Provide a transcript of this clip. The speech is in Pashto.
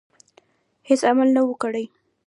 هیڅ عمل نه وو کړی.